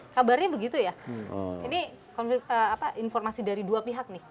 kabarnya begitu ya ini informasi dari dua pihak nih